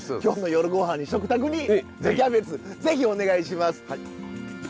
今日の夜御飯に食卓に芽キャベツぜひお願いします。